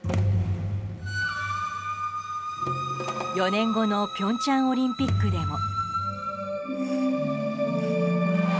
４年後の平昌オリンピックでも。